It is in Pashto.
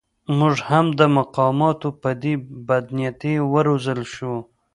موږ هم د مقاماتو په دې بدنیتۍ و روزل شوو.